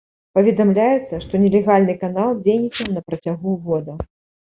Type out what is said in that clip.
Паведамляецца, што нелегальны канал дзейнічаў на працягу года.